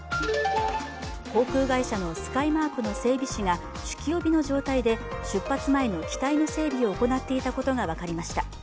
航空会社のスカイマークの整備士が酒気帯びの状態で出発前の機体の整備を行っていたことが分かりました。